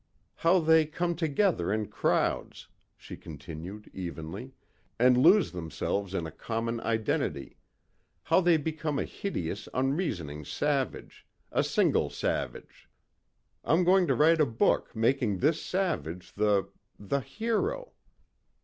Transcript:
"How they come together in crowds," she continued evenly, "and lose themselves in a common identity. How they become a hideous, unreasoning savage a single savage. I'm going to write a book making this savage the ... the hero."